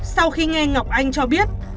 sau khi nghe ngọc anh cho biết